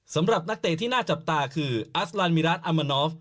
สำหรับนักเตะที่น่าจับตาคืออัสลันมิรัสอามานอฟ